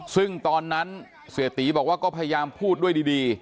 ซึ่งตอนนั้นเสียตีบอกว่าก็พยายามพูดด้วยดี